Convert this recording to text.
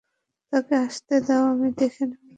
তাকে আসতে দাও, আমি দেখে নেব।